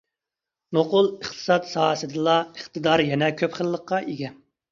نوقۇل ئىقتىساد ساھەسىدىلا ئىقتىدار يەنە كۆپ خىللىققا ئىگە.